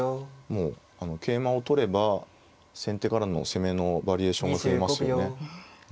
もう桂馬を取れば先手からの攻めのバリエーションが増えますよね。